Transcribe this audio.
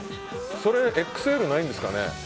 それ、ＸＬないんですかね。